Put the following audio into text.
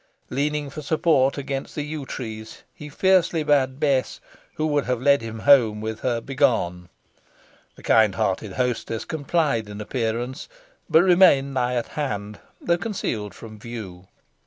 Leaning for support against the yew tree, he fiercely bade Bess, who would have led him home with her, begone. The kind hearted hostess complied in appearance, but remained nigh at hand though concealed from view.